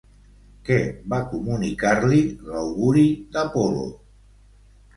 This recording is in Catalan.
Què va comunicar-li l'auguri d'Apol·lo?